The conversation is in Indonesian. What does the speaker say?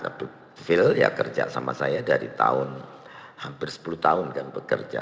tapi feel ya kerja sama saya dari tahun hampir sepuluh tahun kan bekerja